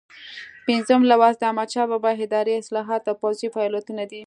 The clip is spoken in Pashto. پنځم لوست د احمدشاه بابا اداري اصلاحات او پوځي فعالیتونه دي.